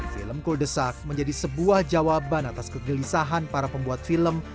film kuldesak menjadi sebuah jawaban atas kegelisahan para pembuat film